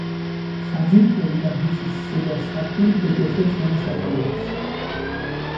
საძირკველი და მიწის ზედა სართული ჯოჯოხეთს განასახიერებს.